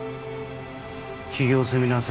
起業セミナー